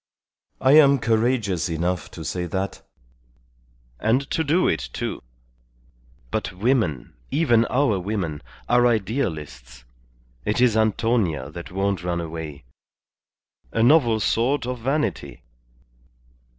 I am courageous enough to say that, and to do it, too. But women, even our women, are idealists. It is Antonia that won't run away. A novel sort of vanity."